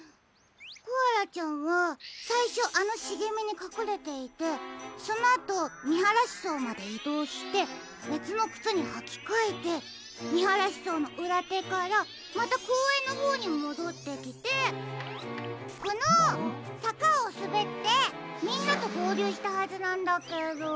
コアラちゃんはさいしょあのしげみにかくれていてそのあとみはらしそうまでいどうしてべつのくつにはきかえてみはらしそうのうらてからまたこうえんのほうにもどってきてこのさかをすべってみんなとごうりゅうしたはずなんだけど。